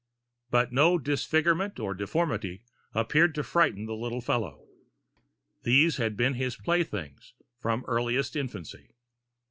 But no disfigurement or deformity appeared to frighten the little fellow. These had been his playthings from earliest infancy.